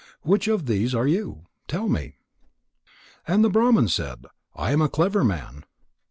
Which of these are you? Tell me." And the Brahman said: "I am a clever man."